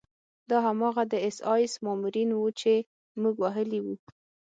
دا هماغه د اېس ایس مامورین وو چې موږ وهلي وو